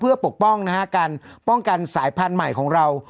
เพื่อปกป้องนะฮะการป้องกันสายพันธุ์ใหม่ของเรา